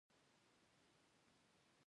نن مې د جامو زاړه ځایونه پاک کړل.